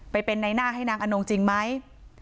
ไปเป็นในหน้าให้นางอนงจริงไหม